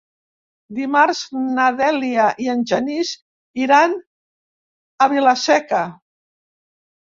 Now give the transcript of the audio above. Dimarts na Dèlia i en Genís iran a Vila-seca.